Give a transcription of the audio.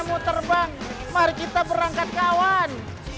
kita terbang mari kita berangkat kawan